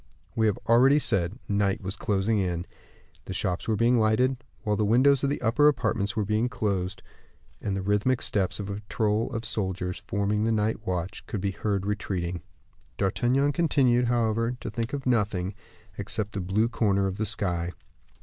We have already said night was closing in, the shops were being lighted, while the windows of the upper apartments were being closed, and the rhythmic steps of a patrol of soldiers forming the night watch could be heard retreating. D'Artagnan continued, however, to think of nothing, except the blue corner of the sky.